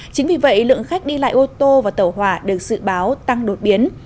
chính vì vậy lượng khách đi lại ô tô và tàu hỏa được dự báo tăng đột biến